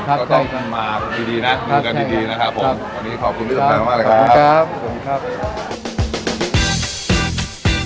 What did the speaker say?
ก็ต้องมาดีนะมือกันดีนะครับผม